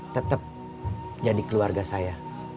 tetap jadi keluarga saya